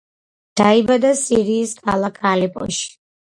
დაიბადა სირიის ქალაქ ალეპოში.